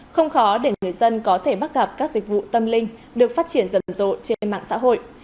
không khó để người dân có thể bắt gặp các dịch vụ tâm linh được phát triển rầm rộ trên mạng xã hội